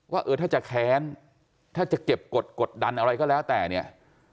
ว่าเออถ้าจะแค้นถ้าจะเก็บกฎกดดันอะไรก็แล้วแต่เนี่ย